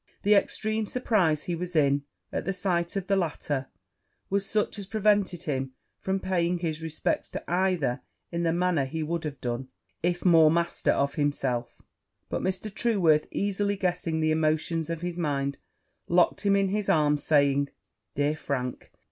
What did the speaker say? The extreme surprize he was in at the sight of the latter, was such as prevented him from paying his respects to either in the manner he would have done if more master of himself; but Mr. Trueworth, guessing the emotions of his mind, locked him in his arms, saying, 'Dear Frank!